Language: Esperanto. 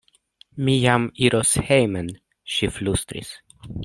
Mi jam iros hejmen, ŝi flustris.